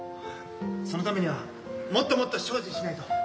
そのためにはもっともっと精進しないと。